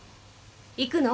行くの？